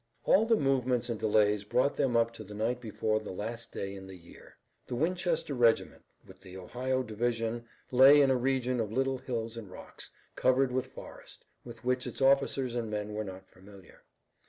All the movements and delays brought them up to the night before the last day in the year. The Winchester regiment with the Ohio division lay in a region of little hills and rocks, covered with forest, with which its officers and men were not familiar.